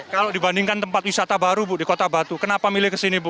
kalau dibandingkan tempat wisata baru bu di kota batu kenapa milih kesini bu